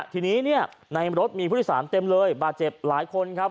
ทีนี้ในรถมีผู้ที่สามเต็มเลยบาดเจ็บหลายคนครับ